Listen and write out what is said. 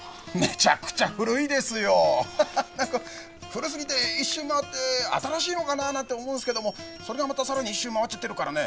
古過ぎて一周回って新しいのかななんて思うんすけどもそれがまたさらに一周回っちゃってるからね。